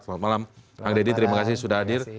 selamat malam bang deddy terima kasih sudah hadir